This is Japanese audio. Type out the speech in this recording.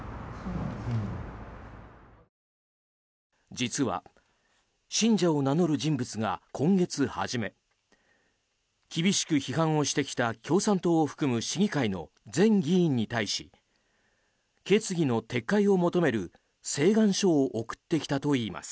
実は、信者を名乗る人物が今月初め厳しく批判をしてきた共産党を含む市議会の全議員に対し決議の撤回を求める請願書を送ってきたといいます。